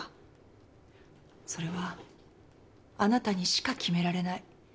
それはあなたにしか決められない。